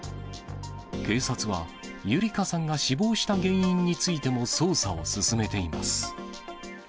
警察は、優理香さんが死亡した原因についても捜査を進めています。